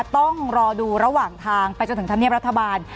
ต้องรอดูระหว่างทางไปจนถึงธรรมเนียบรัฐบาล